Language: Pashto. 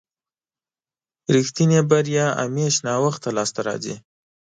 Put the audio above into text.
رښتينې بريا همېش ناوخته لاسته راځي.